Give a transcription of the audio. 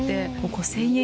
５０００円